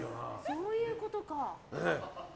そういうことか。